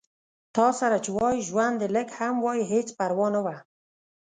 تاسره چې وای ژوند دې لږ هم وای هېڅ پرواه نه وه